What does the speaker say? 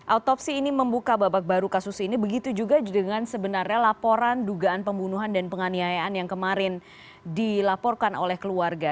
autopsi ini membuka babak baru kasus ini begitu juga dengan sebenarnya laporan dugaan pembunuhan dan penganiayaan yang kemarin dilaporkan oleh keluarga